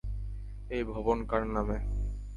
এই ভবন কার নামে?